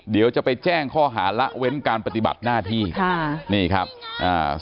เดี๋ยวจะไปแจ้งข้อหาละเว้นการปฏิบัติหน้าที่ค่ะนี่ครับอ่า